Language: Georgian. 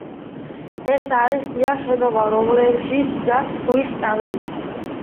ეს არის ღია შენობა, რომელშიც დგას ქვის სკამები.